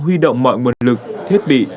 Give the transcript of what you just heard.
huy động mọi nguồn lực thiết bị